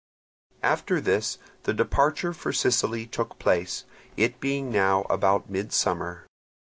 After this the departure for Sicily took place, it being now about midsummer.